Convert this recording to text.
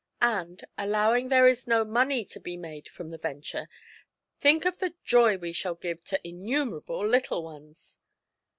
And, allowing there is no money to be made from the venture, think of the joy we shall give to innumerable little ones!"